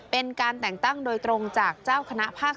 เป็นการแต่งตั้งโดยตรงจากเจ้าคณะภาค๓